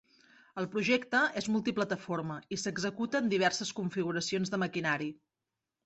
El projecte és multiplataforma i s'executa en diverses configuracions de maquinari.